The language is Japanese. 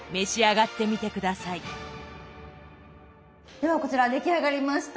ではこちら出来上がりました。